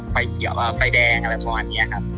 ไฟเขียวไฟแดงอะไรประมาณนี้ครับ